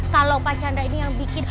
kalau pak chandra ini yang bikin